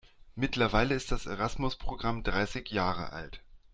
Mittlerweile ist das Erasmus-Programm dreißig Jahre alt.